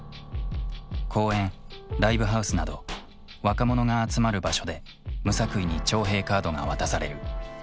公園ライブハウスなど若者が集まる場所で無作為に徴兵カードが渡される。